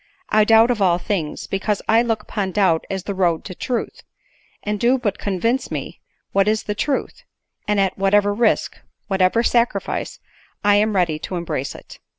I doubt of all things, because I look upon doubt as the road to truth, and do but con vince me what is the truth, and at whatever risk, whatever sacrifice, I am ready to embrace it."